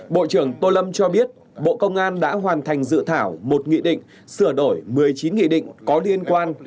bộ trưởng tô lâm cho biết bộ công an đã hoàn thành dự thảo một nghị định sửa đổi một mươi chín nghị định có liên quan